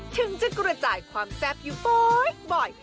ถึงจะกระจายความแซ่บอยู่บ่อย